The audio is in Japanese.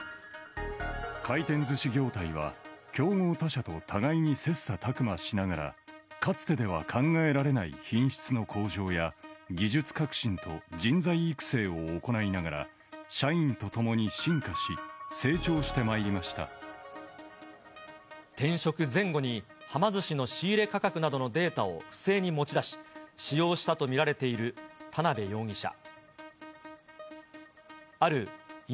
回転ずし業態は競合他社と互いにせっさ琢磨しながら、かつてでは考えられない品質の向上や、技術革新と人材育成を行いながら、社員とともに進化し、成長してま転職前後に、はま寿司の仕入れ価格などのデータを不正に持ち出し、使用したと見られている田辺容疑者。